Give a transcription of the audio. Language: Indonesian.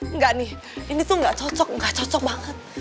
enggak nih ini tuh gak cocok nggak cocok banget